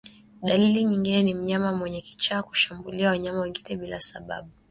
Dalili nyingine ni mnyama mwenye kichaa hushambulia wanyama wengine bila sababu